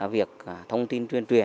việc thông tin truyền truyền